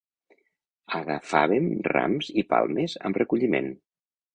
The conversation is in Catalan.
Agafàvem rams i palmes amb recolliment.